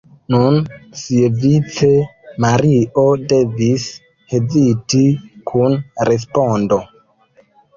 Nun siavice Mario devis heziti kun respondo.